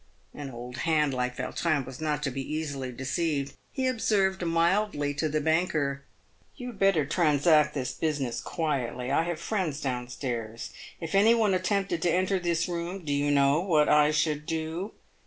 An old hand like Yautrin was not to be easily deceived. He observed mildly to the banker, " You had better transact this business quietly. I have friends down stairs. If any one attempted to enter this room, do you know what I should do